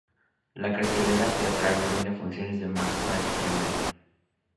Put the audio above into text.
La cartelera teatral brinda funciones de marzo a diciembre.